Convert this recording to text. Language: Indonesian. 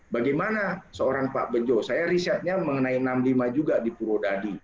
bagaimana seorang pak bejo saya risetnya mengenai enam puluh lima juga di purwodadi